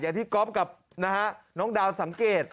อย่างที่ก๊อฟกับน้องดาวสังเกต